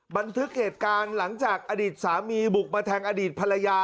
บันทึกเหตุการณ์หลังจากอดีตสามีบุกมาแทงอดีตภรรยา